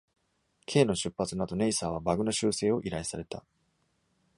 ケイの出発の後、ネイサーはバグの修正を依頼された。